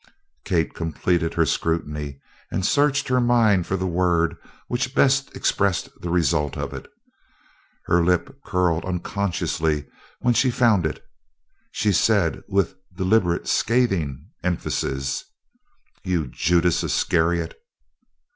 Kate completed her scrutiny, and searched her mind for the word which best expressed the result of it. Her lip curled unconsciously when she found it. She said with deliberate scathing emphasis: "You Judas Iscariot!"